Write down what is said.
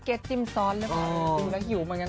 เก็ตจิ้มซอสเลยค่ะ